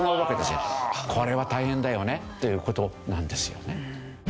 これは大変だよねという事なんですよね。